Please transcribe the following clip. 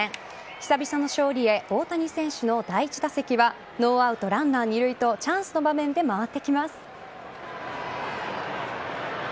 久々の勝利へ大谷選手の第１打席はノーアウトランナー二塁とチャンスの場面で回ってきます。